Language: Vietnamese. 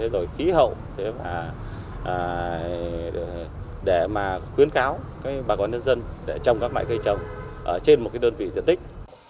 rồi khí hậu để mà khuyến kháo bà quán nhân dân để trồng các loại cây trồng trên một đơn vị diện tích